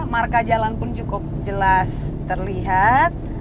marka jalan pun cukup jelas terlihat